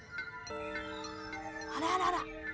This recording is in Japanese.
あららら！